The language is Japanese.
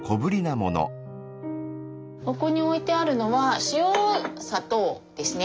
ここに置いてあるのは塩砂糖ですね。